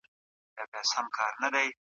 پانګه د توليد د دورې د چټکتيا لپاره کارول کېږي.